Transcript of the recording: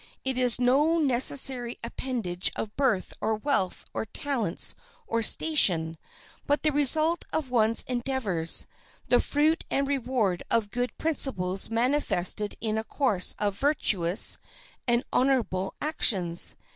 It is no necessary appendage of birth or wealth or talents or station, but the result of one's own endeavors, the fruit and reward of good principles manifested in a course of virtuous and honorable actions.